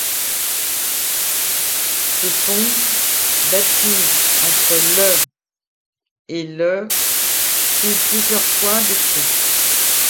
Ce pont, bâti entre le et le fut plusieurs fois détruit.